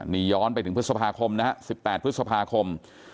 นี่ย้อนไปถึงพฤษภาคมนะฮะ๑๘พฤษภาคม